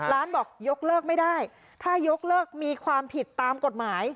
ร้านบอกยกเลิกไม่ได้ถ้ายกเลิกมีความผิดตามกฎหมาย